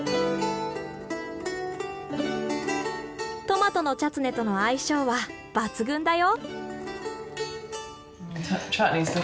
トマトのチャツネとの相性は抜群だよ。